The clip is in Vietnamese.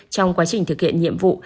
trong quá trình thực hiện nhiệm vụ